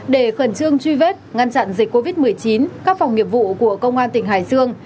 để khẩn trương truy vết ngăn chặn dịch covid một mươi chín các phòng nghiệp vụ của công an tỉnh hải dương